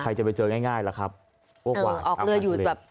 ออกเนื้ออยู่แบบ